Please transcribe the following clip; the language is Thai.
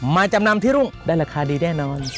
จำนำที่รุ่งได้ราคาดีแน่นอน